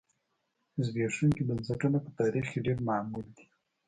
زبېښونکي بنسټونه په تاریخ کې ډېر معمول دي.